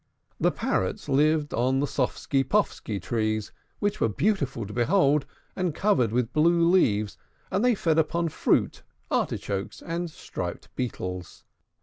The Parrots lived upon the Soffsky Poffsky trees, which were beautiful to behold, and covered with blue leaves; and they fed upon fruit, artichokes, and striped beetles.